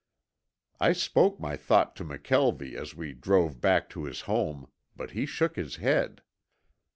I spoke my thought to McKelvie as we drove back to his home, but he shook his head.